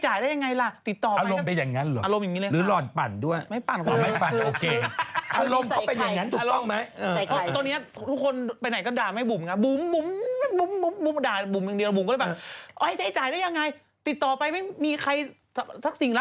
หมดนะตอนตอนนี้ปัญหาใหญ่คือสรุปว่าเจนี่จะออกมาแถลงเมื่อไหร่